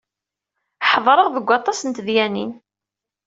Ḥeddṛeɣ deg waṭas n tedyanin.